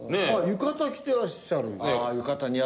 浴衣似合ってらっしゃる。